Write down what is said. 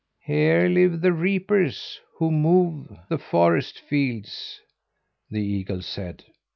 "Here live the reapers who mow the forest fields," the eagle said.